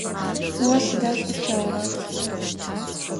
О сыда шӏу плъэгъурэр?